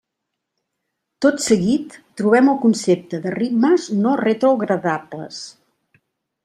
Tot seguit trobem el concepte de ritmes no retrogradables.